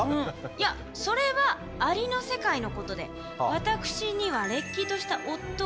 いやそれはアリの世界のことで私にはれっきとした夫がおる。